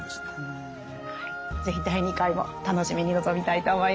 是非第２回も楽しみに臨みたいと思います。